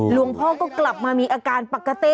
หลวงพ่อก็กลับมามีอาการปกติ